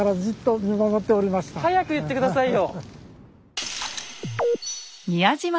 早く言って下さいよ。